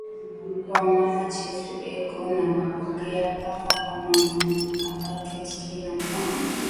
Kwa mama chefu eko na pokeya paka ba mama, njuu aba kachiye ma mpango